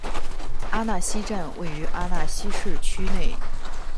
阿讷西站位于阿讷西市区内。